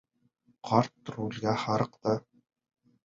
Ҡарт рулгә һырыҡты.